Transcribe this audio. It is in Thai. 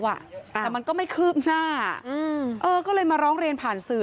แต่มันก็ไม่คืบหน้าก็เลยมาร้องเรียนผ่านสื่อ